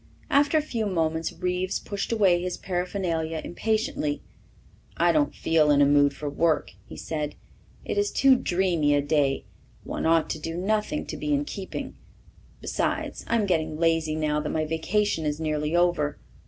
After a few moments Reeves pushed away his paraphernalia impatiently. "I don't feel in a mood for work," he said. "It is too dreamy a day one ought to do nothing to be in keeping. Besides, I'm getting lazy now that my vacation is nearly over.